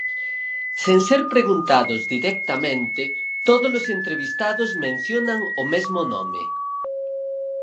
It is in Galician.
Sen ser preguntados directamente, todos os entrevistados mencionan o mesmo nome.